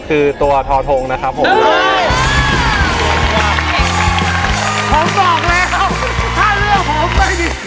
คือตัวทธงนะครับผม